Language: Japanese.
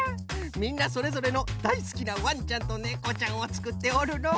みんなそれぞれのだいすきなわんちゃんとねこちゃんをつくっておるのう。